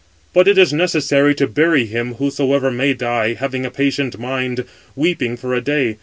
But it is necessary to bury him, whosoever may die, having a patient mind, weeping for a day.